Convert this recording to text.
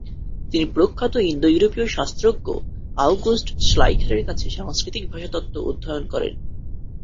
তিনি প্রখ্যাত ইন্দো-ইউরোপীয় শাস্ত্রজ্ঞ আউগুস্ট শ্লাইখারের কাছে সাংস্কৃতিক ভাষাতত্ত্ব অধ্যয়ন করেন।